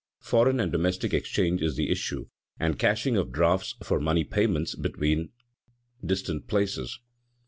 Foreign and domestic exchange is the issue and cashing of "drafts" for money payments between distant places.